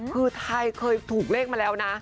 คือไทยเคยถูกเลขมาแล้วนะ